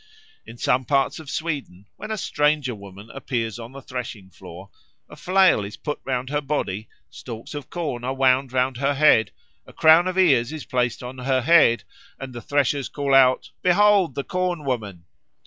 In some parts of Sweden, when a stranger woman appears on the threshing floor, a flail is put round her body, stalks of corn are wound round her neck, a crown of ears is placed on her head, and the threshers call out, "Behold the Corn woman."